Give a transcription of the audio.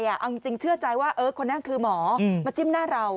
เอาจริงเชื่อใจว่าคนนั้นคือหมอมาจิ้มหน้าเรา